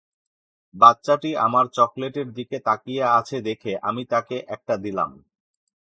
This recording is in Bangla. বাচ্চাটি আমার চকলেটের দিকে তাকিয়ে আছে দেখে আমি তাকে একটা দিলাম।